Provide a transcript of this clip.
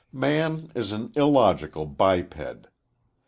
Man is an illogical biped.